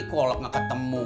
kolek ga ketemu